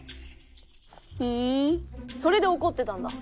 ふんそれでおこってたんだ。